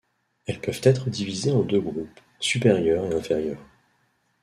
Elles peuvent être divisées en deux groupes, supérieur et inférieur.